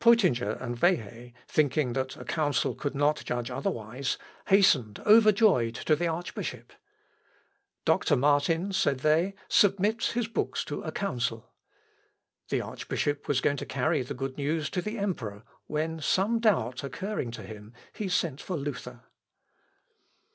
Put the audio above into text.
Peutinger and Wehe, thinking that a Council could not judge otherwise, hastened overjoyed to the archbishop. "Dr. Martin," said they, "submits his books to a Council." The archbishop was going to carry the good news to the emperor, when some doubt occurring to him, he sent for Luther.